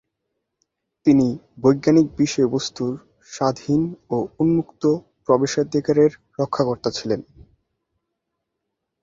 তিনি বৈজ্ঞানিক বিষয়বস্তুর স্বাধীন ও উন্মুক্ত প্রবেশাধিকারের রক্ষাকর্তা ছিলেন।